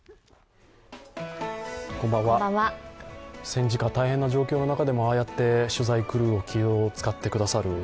戦時下、大変な状況の中でもああやって取材クルーに気を使ってくださる。